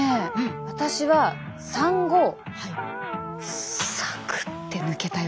私は産後サクッって抜けたよ。